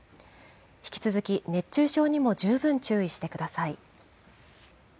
引き続き熱中症にも十分注意してください。